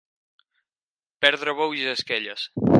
Perdre bous i esquelles.